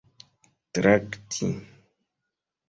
trakti